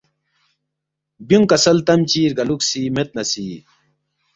بیونگ کسل تم چی رگالوکھسی مید نہ سی